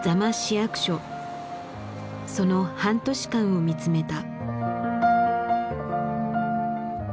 その半年間を見つめた。